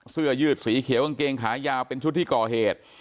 เสื้อยืดสีเขียวกางเกงขายาวเป็นชุดที่ก่อเหตุ